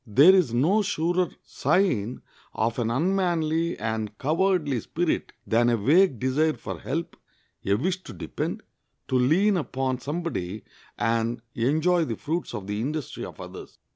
There is no surer sign of an unmanly and cowardly spirit than a vague desire for help, a wish to depend, to lean upon somebody and enjoy the fruits of the industry of others.